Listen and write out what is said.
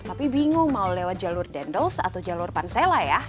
tapi bingung mau lewat jalur dendels atau jalur pansela ya